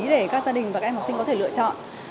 để các gia đình và các em học sinh có thể lựa chọn